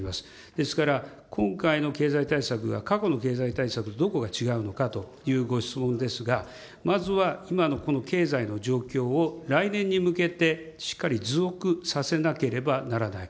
ですから、今回の経済対策が過去の経済対策とどこが違うのかというご質問ですが、まずは、今の経済の状況を、来年に向けてしっかり持続させなければならない。